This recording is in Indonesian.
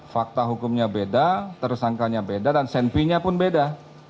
fakta hukumnya beda tersangkanya beda dan senpinya pun beda